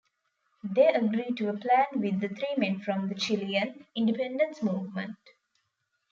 They agree to a plan with the three men from the Chilean independence movement.